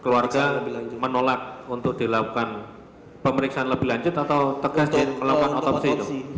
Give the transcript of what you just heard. keluarga menolak untuk dilakukan pemeriksaan lebih lanjut atau tegas melakukan otopsi itu